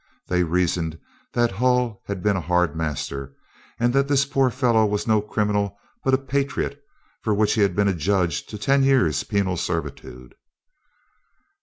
They reasoned that Hull had been a hard master, and that this poor fellow was no criminal, but a patriot, for which he had been adjudged to ten years' penal servitude.